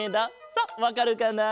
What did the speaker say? さあわかるかな？